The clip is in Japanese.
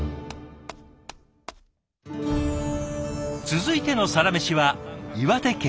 続いてのサラメシは岩手県から。